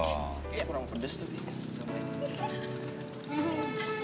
kayaknya kurang pedes tuh